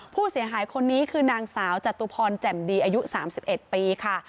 ผู้เสียหายคนนี้คือนางสาวจตุพรแจ่มดีอายุ๓๑ปีค่ะ